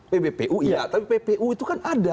pbpu iya tapi ppu itu kan ada